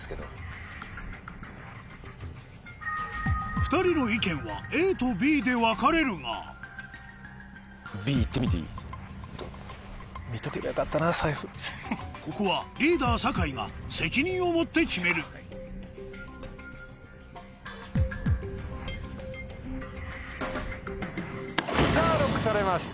２人の意見はＡとＢで分かれるがここはリーダー酒井が責任を持って決めるさぁＬＯＣＫされました。